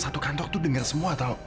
satu kantor tuh denger semua tau